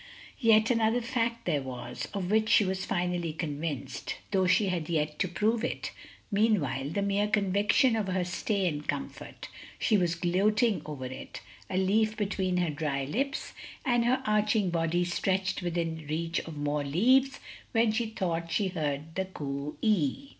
Yet another fact there was, of which she was finally convinced, though she had yet to prove it; meanwhile the mere conviction was her stay and comfort. She was gloating over it, a leaf between her dry lips, and her aching body stretched within reach of more leaves, when she thought she heard the coo ee.